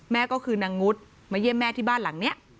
ก็คือนางงุดมาเยี่ยมแม่ที่บ้านหลังนี้